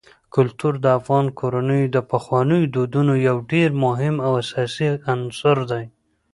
کلتور د افغان کورنیو د پخوانیو دودونو یو ډېر مهم او اساسي عنصر دی.